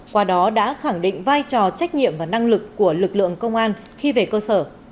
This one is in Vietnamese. qua đó đã khẳng định vai trò trách nhiệm và năng lực của lực lượng công an khi về cơ sở